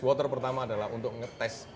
water pertama adalah untuk ngetes